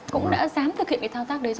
cũng đã dám thực hiện thao tác đấy rồi